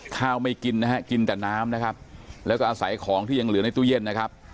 ไม่กินนะฮะกินแต่น้ำนะครับแล้วก็อาศัยของที่ยังเหลือในตู้เย็นนะครับ